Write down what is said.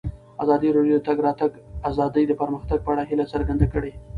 ازادي راډیو د د تګ راتګ ازادي د پرمختګ په اړه هیله څرګنده کړې.